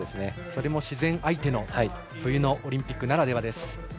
それも自然相手の冬のオリンピックならではです。